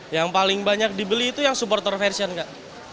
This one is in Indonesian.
yang paling banyak dibeli itu yang supporter version kak